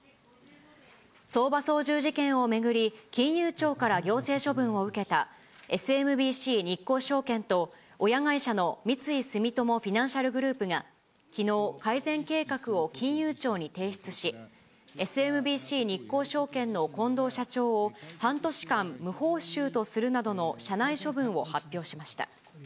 相場操縦事件を巡り、金融庁から行政処分を受けたＳＭＢＣ日興証券と、親会社の三井住友フィナンシャルグループがきのう、改善計画を金融庁に提出し、ＳＭＢＣ日興証券の近藤社長を半年間無報酬とするなどの社内処分を発表しました。